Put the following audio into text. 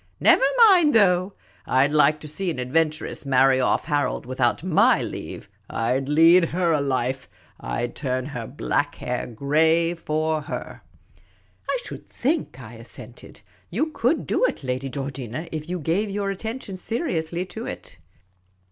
" Never mind, though ;/ 'd like to see an adventuress marry off Harold without my leave !/ 'd lead her a life ! I 'd turn her black hair grey for her !"" I should think," I assented, you could do it, I^ady Georgina, if you gave your attention seriously to it."